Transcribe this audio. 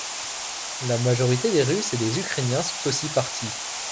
La majorité des Russes et des Ukrainiens sont aussi partis.